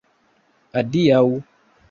Adiaŭ.